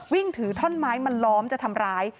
วิ่งถือท่อนไม้มาล้อมจะทำร้าย